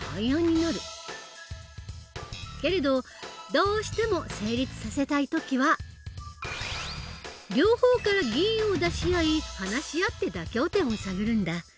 けれどどうしても成立させたい時は両方から議員を出し合い話し合って妥協点を探るんだ。